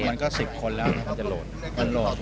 มันก็๑๐คนแล้วมันจะโหลด